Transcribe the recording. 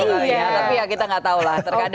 tapi ya kita gak tau lah